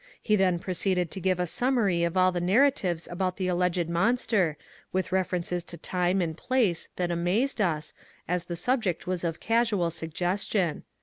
He then proceeded to give a summary of all the narratives about the alleged mon ster, with references to time and place that amazed us, as the subject was of casual suggestion.